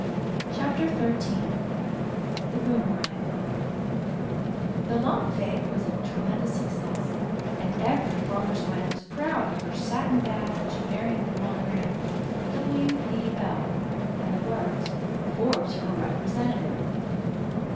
CHAPTER XIII THE BOOMERANG The lawn fête was a tremendous success, and every farmer's wife was proud of her satin badge bearing the monogram: "W. P. L.," and the words: "FORBES FOR REPRESENTATIVE."